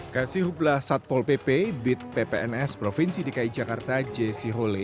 kasihublah satpol pp bidppns provinsi dki jakarta j sihole